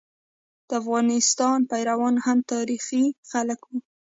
د افغانستان پيروان هم تاریخي خلک وو.